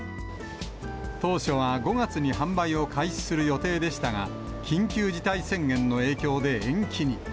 当初は５月に販売を開始する予定でしたが、緊急事態宣言の影響で延期に。